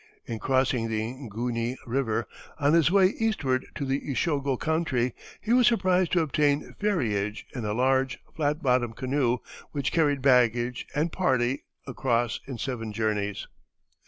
In crossing the Ngunie River, on his way eastward to the Ishogo country, he was surprised to obtain ferriage in a large, flat bottomed canoe, which carried baggage and party across in seven journeys.